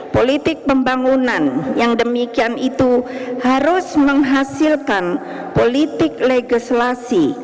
politik pembangunan yang demikian itu harus menghasilkan politik legislasi